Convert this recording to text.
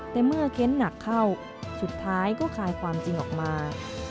แต่เมื่อเค้นหนักเข้าสุดท้ายก็คลายความจริงออกมา